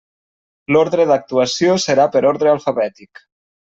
L'ordre d'actuació serà per ordre alfabètic.